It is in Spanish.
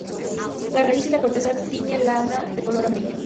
La raíz y la corteza tiñe lana de color amarillo.